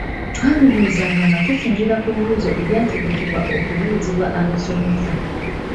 Twabibuuzanga nga tusinziira ku bibuuzo ebyategekebwa okubuuzibwa abasomesa.